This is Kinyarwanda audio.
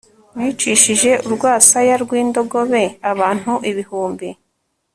nicishije urwasaya rw'indogobe abantu igihumbi